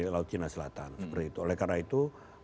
laut cina selatan oleh karena itu